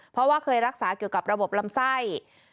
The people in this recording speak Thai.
เพราะว่าเคยรักษาเกี่ยวกับระบบลำไส้